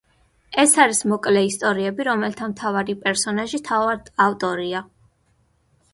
ეს არის მოკლე ისტორიები, რომელთა მთავარი პერსონაჟი თავად ავტორია.